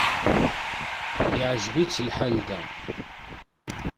Yeɛjeb-itt lḥal da.